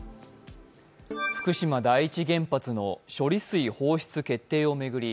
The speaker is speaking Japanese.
福島第一原発の処理水放出決定を巡り